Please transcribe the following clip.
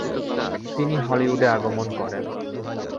তিনি হলিউডে আগমন করেন।